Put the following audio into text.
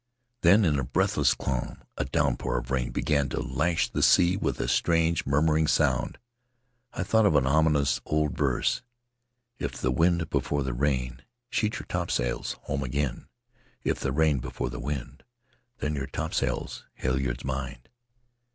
Then, in the breathless calm, a downpour of rain began to lash the sea with a strange, murmuring sound. I thought of an ominous old verse: "If the wind before the rain, Sheet your topsails home again; If the rain before the wind, Then your topsail halyards mind.